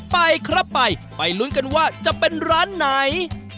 ไปครับไปไปลุ้นกันว่าจะเป็นร้านไหน